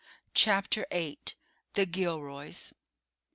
CHAPTER VIII THE GILROYS.